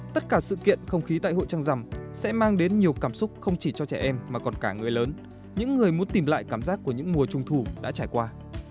tất cả sự kiện không khí tại hội trăng rằm sẽ mang đến nhiều cảm xúc không chỉ cho trẻ em mà còn cả người lớn những người muốn tìm lại cảm giác của những mùa trung thu đã trải qua